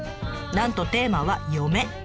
なんとテーマは「嫁」。